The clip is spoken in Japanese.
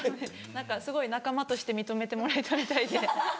何かすごい仲間として認めてもらえたみたいで。